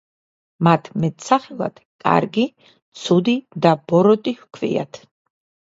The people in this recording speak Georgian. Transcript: მათ მეტსახელად კარგი, ცუდი და ბოროტი ჰქვიათ.